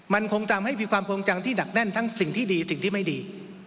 มันคงทำให้มีความคงจังที่หนักแน่นทั้งสิ่งที่ดีสิ่งที่ไม่ดี